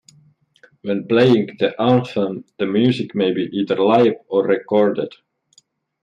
When playing the anthem, the music may be either live or recorded.